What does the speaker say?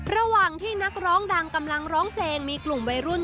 ระหว่างที่นักร้องดังกำลังร้องเพลงมีกลุ่มวัยรุ่น